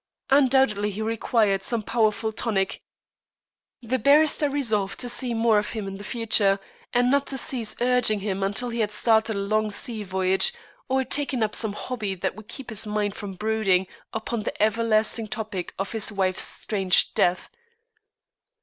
Undoubtedly he required some powerful tonic. The barrister resolved to see more of him in the future, and not to cease urging him until he had started on a long sea voyage, or taken up some hobby that would keep his mind from brooding upon the everlasting topic of his wife's strange death.